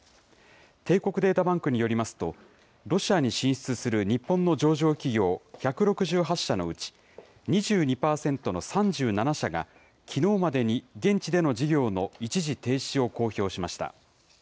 帝国データバンクによりますと、ロシアに進出する日本の上場企業１６８社のうち、２２％の３７社が、きのうまでに現地での事業の一時停止を公表しました。